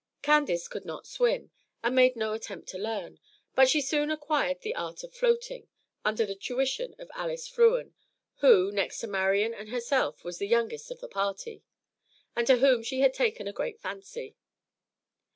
Candace could not swim, and made no attempt to learn; but she soon acquired the art of floating, under the tuition of Alice Frewen, who, next to Marian and herself, was the youngest of the party, and to whom she had taken a great fancy.